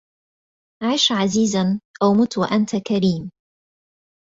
عش عزيزا أو مت وأنت كريم